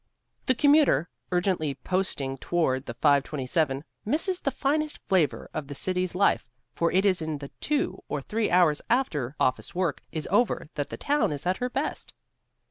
The commuter, urgently posting toward the 5:27, misses the finest flavour of the city's life, for it is in the two or three hours after office work is over that the town is at her best.